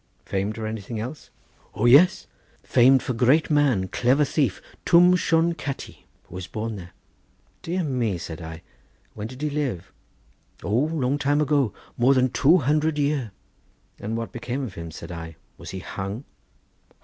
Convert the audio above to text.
"Famed for anything else?" "O yes! famed for great man, clever thief, Twm Shone Catti, who was born there." "Dear me!" said I; "when did he live?" "O, long time ago, more than two hundred year." "And what became of him?" said I; "was he hung?"